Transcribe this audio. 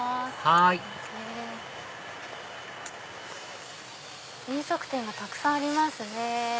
はい飲食店がたくさんありますね。